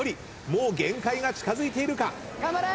もう限界が近づいているか。